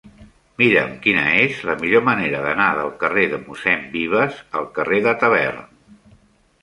Mira'm quina és la millor manera d'anar del carrer de Mossèn Vives al carrer de Tavern.